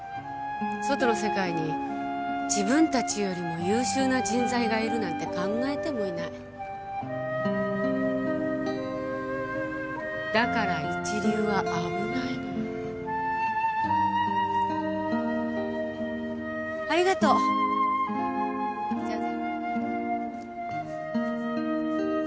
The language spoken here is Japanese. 外の世界に「自分たちよりも優秀な人材がいる」なんて考えてもいないだから一流は危ないのありがとうじゃあね